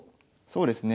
そうですね。